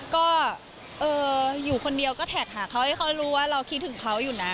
ก็อยู่คนเดียวก็แท็กหาเขาให้เขารู้ว่าเราคิดถึงเขาอยู่นะ